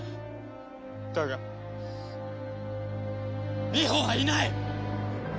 だがみほはいない！